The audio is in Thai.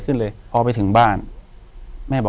อยู่ที่แม่ศรีวิรัยิลครับ